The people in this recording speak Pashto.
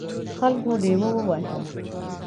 خلکو لیوه وواژه.